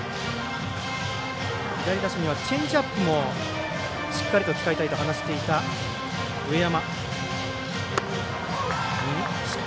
左打者にはチェンジアップもしっかりと使いたいと話していた上山。